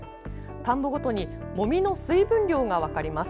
田んぼごとにもみの水分量が分かるんです。